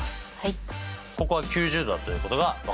ここが９０°だということが分かりました。